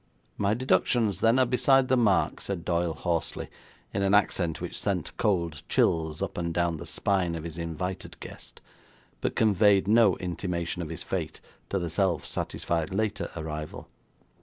'My deductions, then, are beside the mark,' said Doyle hoarsely, in an accent which sent cold chills up and down the spine of his invited guest, but conveyed no intimation of his fate to the self satisfied later arrival.